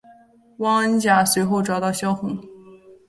汪恩甲随后找到萧红。